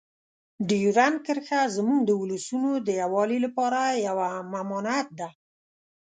ډیورنډ کرښه زموږ د ولسونو د یووالي لپاره یوه ممانعت ده.